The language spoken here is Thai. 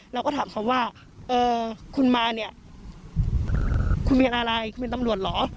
เราก็ถามเขาว่าคุณมาเนี่ยคุณมีอะไรคุณเป็นตำรวจเหรอ